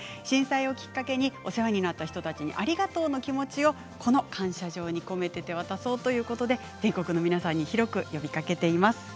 震災をきっかけにお世話になった方たちにありがとうの気持ちをこの感謝状に込めて手渡そうということで全国の皆さんに広く呼びかけています。